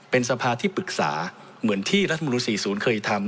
เป็นสภาที่ปรึกษาเหมือนที่รัฐมนุน๔๐เคยทำ